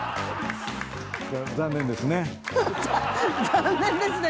「残念ですね」